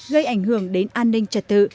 gây ảnh hưởng đến an ninh trật tự